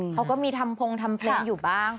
เขาก็มีทำพงทำเพลงอยู่บ้าง